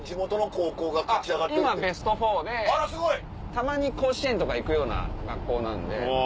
たまに甲子園とか行くような学校なんで。